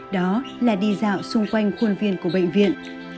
đó là đi dạo xung quanh khuôn viên của bệnh viện